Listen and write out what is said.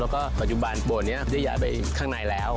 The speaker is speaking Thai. แล้วก็ปัจจุบันโบสถนี้ได้ย้ายไปข้างในแล้ว